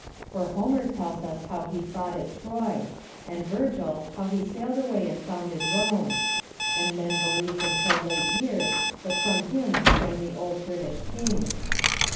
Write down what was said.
For Homer tells us how he fought at Troy; and Virgil how he sailed away and founded Rome; and men believed until late years that from him sprang the old British kings.